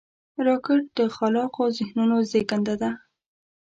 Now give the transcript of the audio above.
راکټ د خلاقو ذهنونو زیږنده ده